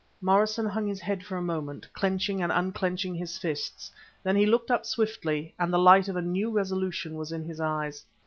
Morrison hung his head for a moment, clenching and unclenching his fists; then he looked up swiftly, and the light of a new resolution was in his eyes.